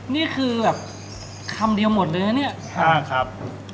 นี่คือแบบคำเดียวหมดเลยนะเนี่ย